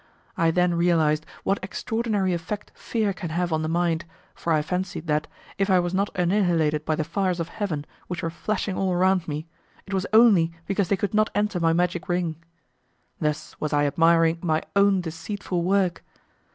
I then realized what extraordinary effect fear can have on the mind, for I fancied that, if I was not annihilated by the fires of heaven which were flashing all around me, it was only because they could not enter my magic ring. Thus was I admiring my own deceitful work!